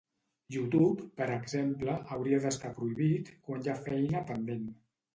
Youtube, per exemple, hauria d'estar prohibit quan hi ha feina pendent.